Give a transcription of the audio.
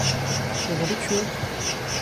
که غریب شوې